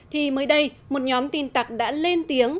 thì mới đây một nhóm tin tặc đã lên tiếng